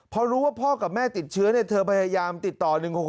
พอรู้ว่าพ่อกับแม่ติดเชื้อเธอพยายามติดต่อ๑๖๖